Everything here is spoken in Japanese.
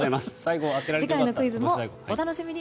次回のクイズもお楽しみに。